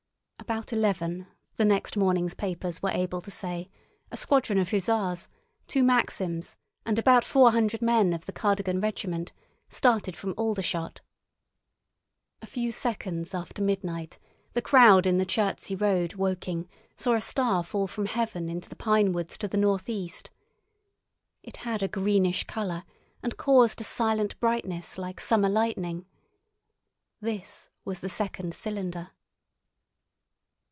About eleven, the next morning's papers were able to say, a squadron of hussars, two Maxims, and about four hundred men of the Cardigan regiment started from Aldershot. A few seconds after midnight the crowd in the Chertsey road, Woking, saw a star fall from heaven into the pine woods to the northwest. It had a greenish colour, and caused a silent brightness like summer lightning. This was the second cylinder.